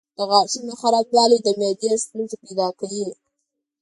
د غاښونو خرابوالی د معدې ستونزې پیدا کوي.